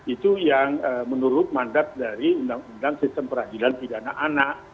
itu yang menurut mandat dari undang undang sistem peradilan pidana anak